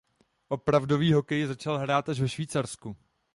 Opravdový hokej začal hrát až ve Švýcarsku.